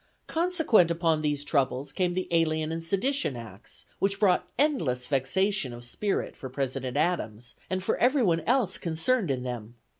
Consequent upon these troubles came the Alien and Sedition Acts, which brought endless vexation of spirit for President Adams and for everyone else concerned in them.